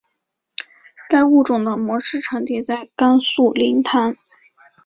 该物种的模式产地在甘肃临潭。